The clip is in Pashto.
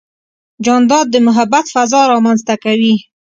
جانداد د محبت فضا رامنځته کوي.